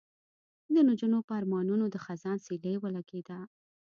د نجونو په ارمانونو د خزان سیلۍ ولګېده